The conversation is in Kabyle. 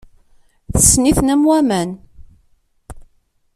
Tessen-iten am waman.